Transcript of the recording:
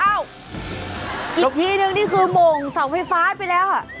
อ้าวอีกทีนึงนี่คือโหม่งเสาไฟฟ้าไปแล้วค่ะ